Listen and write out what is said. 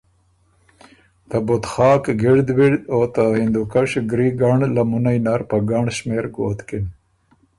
ته بتخاک ګِړد وِړد او ته هندوکش ګری ګنړ لمُنئ نر په ګنړ شمېر ګوتکِن۔